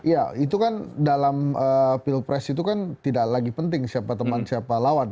ya itu kan dalam pilpres itu kan tidak lagi penting siapa teman siapa lawan